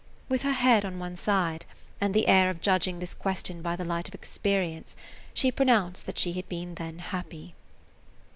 With her head on one side, and the air of judging this question by the light of experience, she pronounced that she had then been happy.